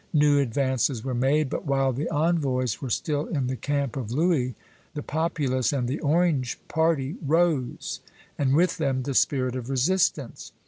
New advances were made; but while the envoys were still in the camp of Louis, the populace and the Orange party rose, and with them the spirit of resistance.